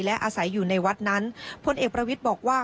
และอาศัยอยู่ในวัดนั้นพลเอกประวิทย์บอกว่า